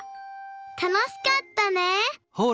たのしかったね！